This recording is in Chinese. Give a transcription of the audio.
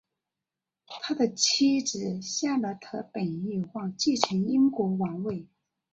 他的妻子夏洛特本有望继承英国王位。